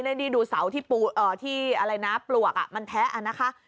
นี่ดูเสาที่ปลวกมันแท้อันนะคะ